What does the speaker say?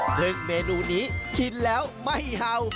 ซึ่งเมนูนี้กินแล้วไม่เห่า